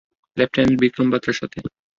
Lieutenant Vikram বাতরার সাথে।